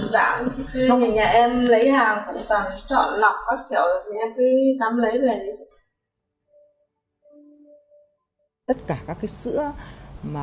giảm nhà em lấy hàng chọn lọc các kiểu nhà em cứ dám lấy về